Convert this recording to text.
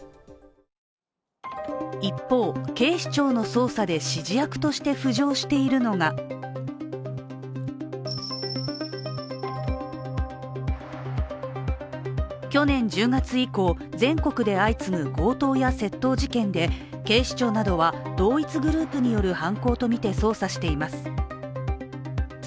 一方、警視庁の捜査で指示役として浮上しているのが去年１０月以降、全国で相次ぐ強盗や窃盗事件で警視庁などは同一グループによる犯行とみて捜査しています。